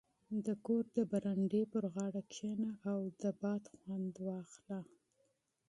• د کور د برنډې پر غاړه کښېنه او د هوا خوند واخله.